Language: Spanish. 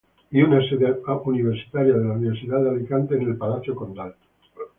Y una sede universitaria de la Universidad de Alicante en el Palacio Condal.